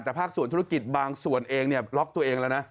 แต่ภาคส่วนธุรกิจบางส่วนเองเนี่ยบล็อกตัวเองแล้วนะ